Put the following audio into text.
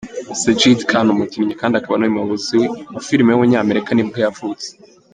Sajid Khan, umukinnyi akaba n’umuyobozi wa filime w’umunyamerika nibwo yavutse.